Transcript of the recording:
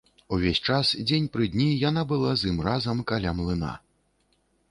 І ўвесь час, дзень пры дні, яна была з ім разам каля млына.